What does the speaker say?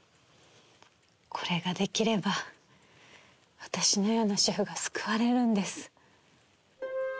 これが出来れば、私のような主婦が救われるんです。